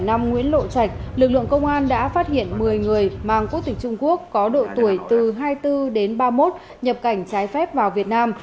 tại lộ trạch lực lượng công an đã phát hiện một mươi người mang quốc tịch trung quốc có độ tuổi từ hai mươi bốn đến ba mươi một nhập cảnh trái phép vào việt nam